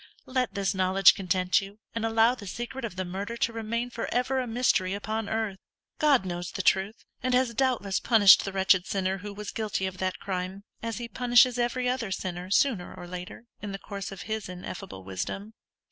Let this knowledge content you, and allow the secret of the murder to remain for ever a mystery upon earth, God knows the truth, and has doubtless punished the wretched sinner who was guilty of that crime, as He punishes every other sinner, sooner or later, in the course of His ineffable wisdom.